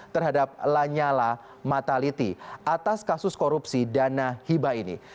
terhadap lanyala mataliti atas kasus korupsi dana hibah ini